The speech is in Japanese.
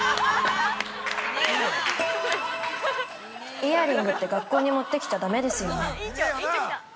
◆イヤリングって学校に持ってきちゃだめですよね。